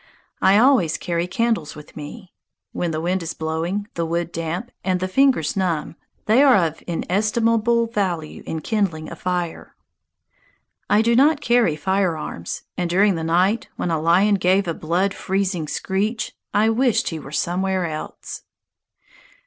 I always carry candles with me. When the wind is blowing, the wood damp, and the fingers numb, they are of inestimable value in kindling a fire. I do not carry firearms, and during the night, when a lion gave a blood freezing screech, I wished he were somewhere else.